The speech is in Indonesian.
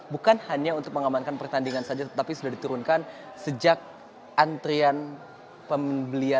bukan hanya untuk mengamankan pertandingan saja tetapi sudah diturunkan sejak antrian pembelian tiket pada pagi hari tadi